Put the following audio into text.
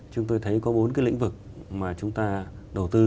chúng tôi thấy có bốn cái lĩnh vực mà chúng ta đầu tư